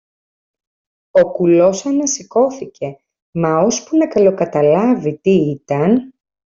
Ο κουλός ανασηκώθηκε, μα ώσπου να καλοκαταλάβει τι ήταν